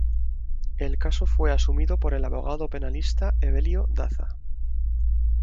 El caso fue asumido por el abogado penalista Evelio Daza.